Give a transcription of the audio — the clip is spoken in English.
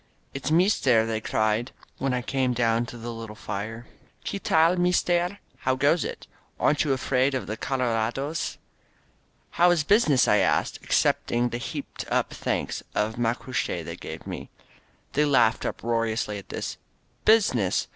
"It's meester!" they cried, when I came down to their little fire. Qfie tdl^ meester? How goes it? Aren't you afraid of the coloradosf" How is business?" I asked, accepting the heaped up handful of macuche they gave me. They laughed uproariously at this. "Business!